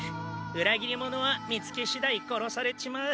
裏切り者は見付けしだい殺されちまう。